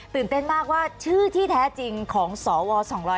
เต้นมากว่าชื่อที่แท้จริงของสว๒๕๖